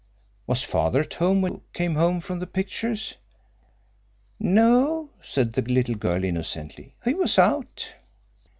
"Was Father at home when you came home from the pictures?" "No," said the little girl innocently. "He was out."